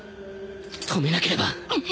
止めなければ！